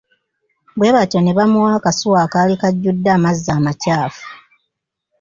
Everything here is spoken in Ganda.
Bwe batyo ne bamuwa akasuwa akaali kajjude amazzi amakyafu.